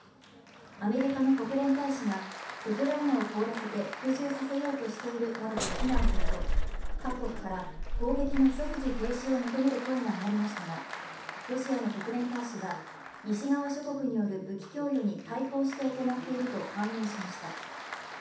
アメリカの国連大使がウクライナを凍らせて服従させようとしているなどと非難すると各国から攻撃の即時停止を求める声が上がりましたがロシアの国連大使は西側諸国による武器供与に対抗して行っていると反論しました。